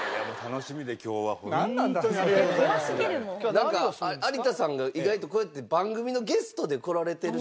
なんか有田さんが意外とこうやって番組のゲストで来られてるって。